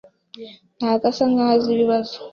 Ntabwo asa nkaho azi ibibazo.